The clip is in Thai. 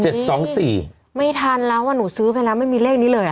เจ็ดสองสี่ไม่ทันแล้วว่าหนูซื้อไปแล้วไม่มีเลขนี้เลย